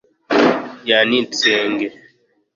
yani tseng